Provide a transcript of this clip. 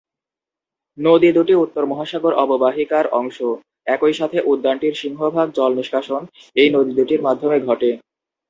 নদী দুটি উত্তর মহাসাগর অববাহিকার অংশ, একই সাথে উদ্যানটির সিংহভাগ জল নিষ্কাশন এই নদী দুটির মাধ্যমে ঘটে।